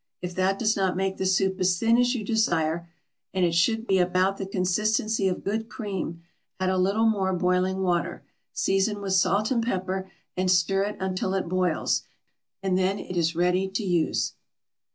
If that does not make the soup as thin as you desire and it should be about the consistency of good cream add a little more boiling water. Season with salt and pepper, and stir it until it boils, and then it is ready to use.